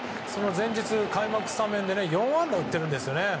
その前日に開幕スタメンで４安打打ってるんですよね。